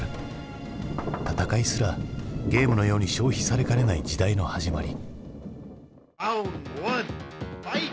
戦いすらゲームのように消費されかねない時代の始まり。